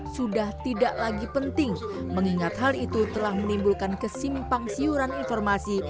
sudah tidak lagi penting mengingat hal itu telah menimbulkan kesimpang siuran informasi